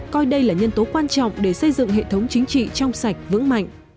coi đây là nhân tố quan trọng để xây dựng hệ thống chính trị trong sạch vững mạnh